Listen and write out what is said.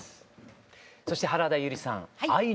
そして原田悠里さんはい。